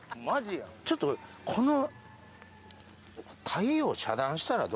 ちょっとこの。